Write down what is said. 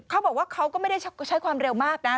เขาบอกว่าเขาก็ไม่ได้ใช้ความเร็วมากนะ